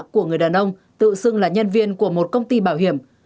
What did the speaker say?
của người đàn ông tự xưng là nhân viên của một công ty bảo hiểm